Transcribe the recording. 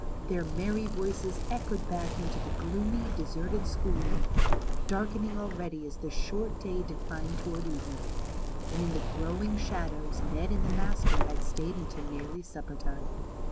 Their merry voices echoed back into the gloomy, deserted school room, dark ening already as the short day declined toward evening, and in the growing shadows Ned and the master had stayed until nearly supper time.